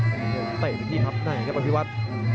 เตะไปที่ทัพหน่อยครับอภิวัต